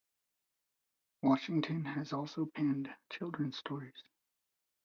Washington has also penned children's stories.